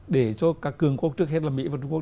để cho các cường quốc trước hết là mỹ và trung quốc